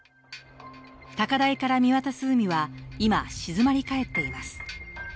高台から見渡す海は今、静まりかえっています。